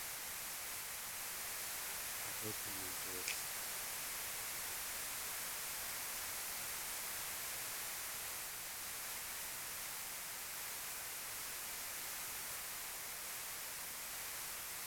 Aadé kanajeil!